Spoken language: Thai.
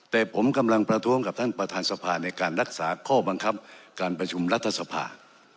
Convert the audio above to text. แต่ผมกำลังประท้วงกับท่านประธานสภาในการรักษาข้อบังคับการประชุมรัฐสภา